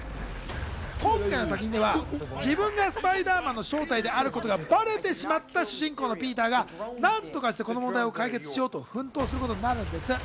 今回の作品では自分がスパイダーマンの正体であることがバレてしまった主人公のピーターが何とかしてこの問題を解決しようと奮闘することになるんです。